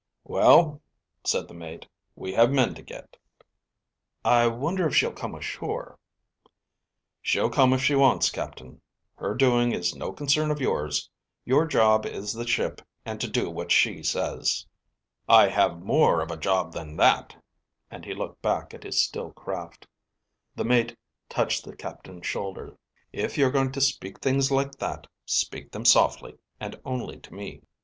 "Well," said the mate, "we have men to get." "I wonder if she'll come ashore?" "She'll come if she wants, Captain. Her doing is no concern of yours. Your job is the ship and to do what she says." "I have more of a job than that," and he looked back at his still craft. The mate touched the captain's shoulder. "If you're going to speak things like that, speak them softly, and only to me."